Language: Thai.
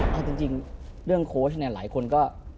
เอาจริงเรื่องโค้ชเนี่ยหลายคนก็